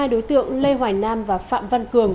hai đối tượng lê hoài nam và phạm văn cường